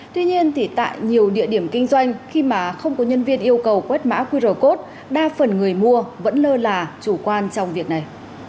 tuy nhiên thì tại nhiều địa điểm kinh doanh khi mà không có nhân viên yêu cầu quét mã qr code đa phần người mua vẫn lơ là chủ quan trong việc này